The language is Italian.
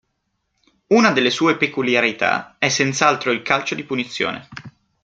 Una delle sue peculiarità è senz’altro il calcio di punizione.